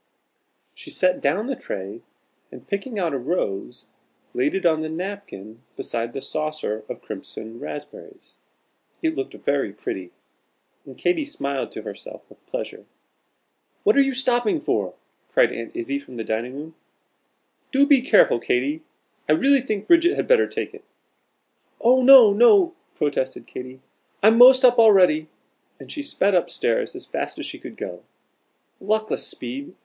She set down the tray, and picking out a rose, laid it on the napkin besides the saucer of crimson raspberries. It looked very pretty, and Katy smiled to herself with pleasure. "What are you stopping for?" called Aunt Izzie, from the dining room. "Do be careful, Katy, I really think Bridget had better take it." "Oh no, no!" protested Katy, "I'm most up already." And she sped up stairs as fast as she could go. Luckless speed!